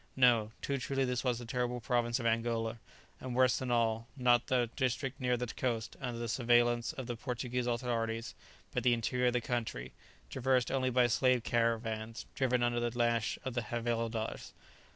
No: too truly this was the terrible province of Angola; and worse than all, not the district near the coast, under the surveillance of the Portuguese authorities, but the interior of the country, traversed only by slave caravans, driven under the lash of the havildars.